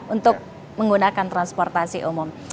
untuk menggunakan transportasi umum